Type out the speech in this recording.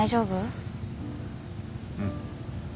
うん。